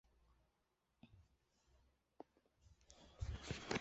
绥芬河老站建立成时为中东铁路的九个二等站之一。